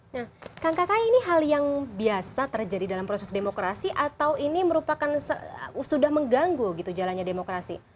nah kang kakak ini hal yang biasa terjadi dalam proses demokrasi atau ini merupakan sudah mengganggu jalannya demokrasi